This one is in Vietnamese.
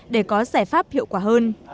để có giải pháp hiệu quả hơn